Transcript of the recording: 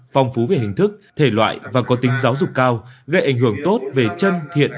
phong phú về hình thức thể loại và có tính giáo dục cao gây ảnh hưởng tốt về chân thiện